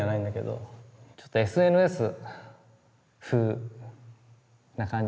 ちょっとＳＮＳ風な感じ